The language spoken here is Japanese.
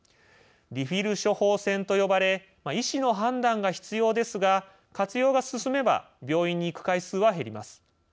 「リフィル処方箋」と呼ばれ医師の判断が必要ですが活用が進めば病院に行く回数は減ります。